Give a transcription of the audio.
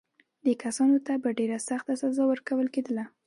دې کسانو ته به ډېره سخته سزا ورکول کېدله.